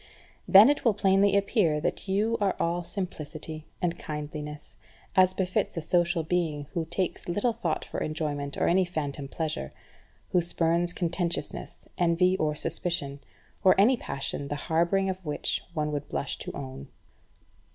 Then it will plainly appear that you are all simplicity and kindliness, as befits a social being who takes little thought for enjoyment or any phantom pleasure; who spurns contentiousness, envy, or suspicion; or any passion the harbouring of which one would blush to own.